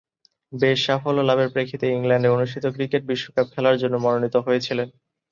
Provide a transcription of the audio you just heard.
বেশ সাফল্য লাভের প্রেক্ষিতে ইংল্যান্ডে অনুষ্ঠিত ক্রিকেট বিশ্বকাপ খেলার জন্য মনোনীত হয়েছিলেন।